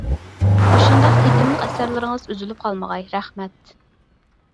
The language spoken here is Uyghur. مۇشۇنداق تېتىملىق ئەسەرلىرىڭىز ئۈزۈلۈپ قالمىغاي. رەھمەت!